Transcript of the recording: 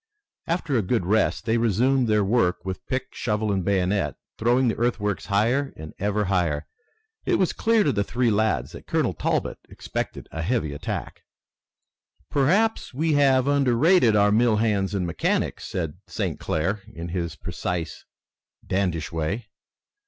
After a good rest they resumed work with pick, shovel, and bayonet, throwing the earthworks higher and ever higher. It was clear to the three lads that Colonel Talbot expected a heavy attack. "Perhaps we have underrated our mill hands and mechanics," said St. Clair, in his precise, dandyish way.